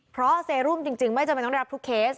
เพราะเซรุมจริงไม่จำเป็นต้องรับทุกเคส